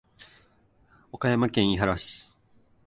岡山県井原市